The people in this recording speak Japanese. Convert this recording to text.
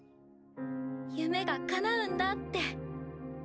夢がかなうんだって。